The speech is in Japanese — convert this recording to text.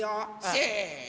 せの！